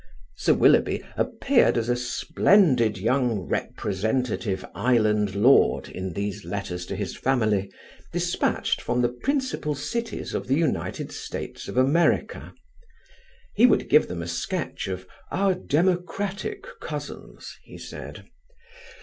Sir Willoughby appeared as a splendid young representative island lord in these letters to his family, despatched from the principal cities of the United States of America. He would give them a sketch of "our democratic cousins", he said.